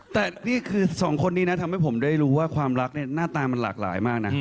แต่นี่คือสองคนนี้นะทำให้ผมได้รู้ว่าความรักเนี่ยหน้าตามันหลากหลายมากนะ